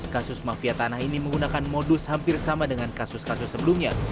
kasus mafia tanah ini menggunakan modus hampir sama dengan kasus kasus sebelumnya